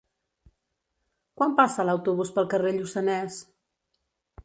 Quan passa l'autobús pel carrer Lluçanès?